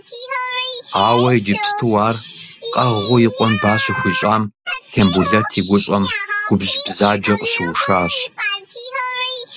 Ауэ иджыпсту ар къэгъыу и къуэм ба щыхуищӏам, Тембулэт и гущӏэм губжь бзаджэ къыщыушащ.